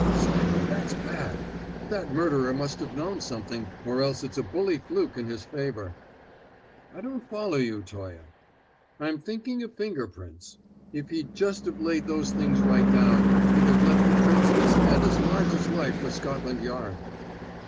"Say, that's bad! That murderer must have known something, or else it's a bully fluke in his favor." "I don't follow you, Toye." "I'm thinking of finger prints. If he'd just've laid those things right down, he'd have left the print of his hand as large as life for Scotland Yard."